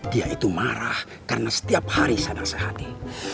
dia itu marah karena setiap hari saya nasihati